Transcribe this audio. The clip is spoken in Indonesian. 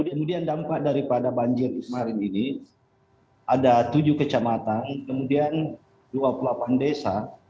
kemudian dampak daripada banjir kemarin ini ada tujuh kecamatan kemudian dua puluh delapan desa